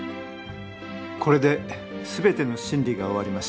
これで全ての審理が終わりました。